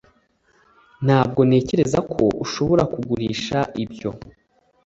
ntabwo ntekereza ko ushobora kugurisha ibyo